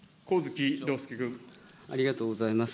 ありがとうございます。